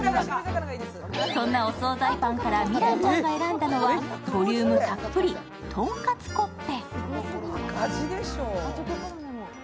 そんなお総菜パンから未来ちゃんが選んだのはボリュームたっぷりとんかつコッペ。